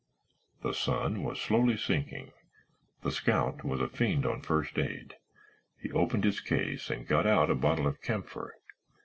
The sun was slowly sinking. The scout was a fiend on first aid. He opened his case and got out a bottle of camphor.